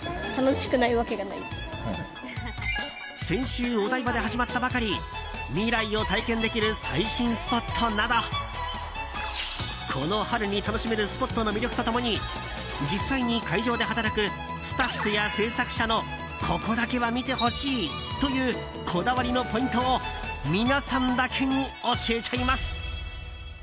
先週、お台場で始まったばかり未来を体験できる最新スポットなどこの春に楽しめるスポットの魅力と共に実際に会場で働くスタッフや制作者のここだけは見てほしいというこだわりのポイントを皆さんだけに教えちゃいます。